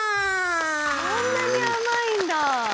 そんなに甘いんだ？